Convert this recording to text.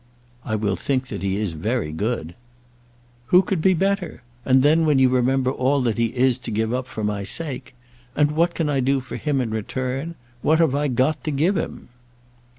"I will think that he is very good." "Who could be better? And then, when you remember all that he is to give up for my sake! And what can I do for him in return? What have I got to give him?"